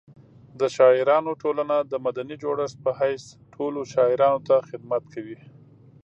د شاعرانو ټولنه د مدني جوړښت په حیث ټولو شاعرانو ته خدمت کوي.